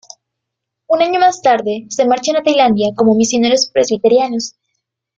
Un año más tarde se marchan a Tailandia como misioneros presbiterianos.